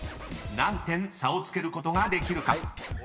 ［何点差をつけることができるか？］